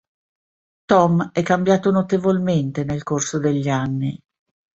Tom è cambiato notevolmente nel corso degli anni.